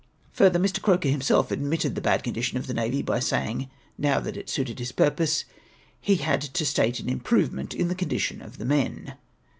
Further, ]\Ii\ Croker liimself admitted the bad con dition of the na\'y by saying, now^ that it suited his purpose, " he had to state an improvement in the condi tion of the men.'"